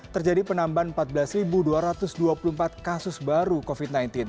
terjadi penambahan empat belas dua ratus dua puluh empat kasus baru covid sembilan belas